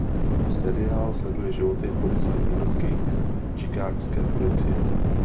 Seriál sleduje životy policejní jednotky chicagské policie.